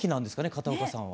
片岡さんは。